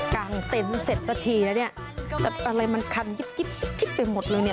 กลางเต็มเสร็จสักทีแล้วเนี่ยแต่อะไรมันคันยิบยิบยิบยิบยิบไปหมดเลยเนี่ย